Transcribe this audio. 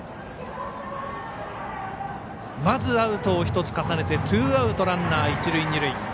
まずアウトを１つ重ねてツーアウトランナー、一塁二塁。